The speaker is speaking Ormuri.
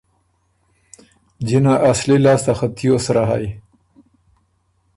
جِنه اصلی لاسته خه تیوس سرۀ هئ۔